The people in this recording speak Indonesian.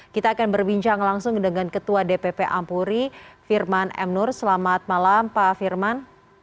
kita akan berbincang langsung dengan ketua dpp ampuri firman m nur selamat malam pak firman